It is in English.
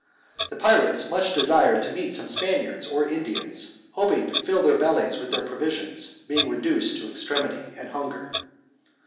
The pirates much desired to meet some Spaniards or Indians, hoping to fill their bellies with their provisions, being reduced to extremity and hunger.